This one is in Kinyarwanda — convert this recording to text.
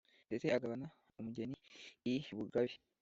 Ndetse agabana umugeni I Bugabe